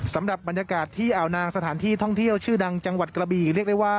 สำหรับบรรยากาศที่อ่าวนางสถานที่ท่องเที่ยวชื่อดังจังหวัดกระบีเรียกได้ว่า